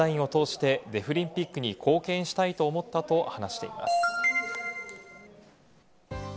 多田さんはデザインを通してデフリンピックに貢献したいと思ったと話しています。